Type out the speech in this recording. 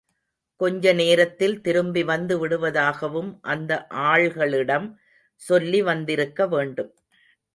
கொஞ்ச நேரத்தில் திரும்பி வந்துவிடுவதாகவும் அந்த ஆள்களிடம் சொல்லி வந்திருக்க வேண்டும்.